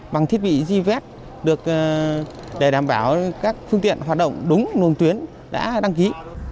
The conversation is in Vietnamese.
bằng thiết bị gvet để đảm bảo các phương tiện hoạt động đúng nguồn tuyến đã đăng ký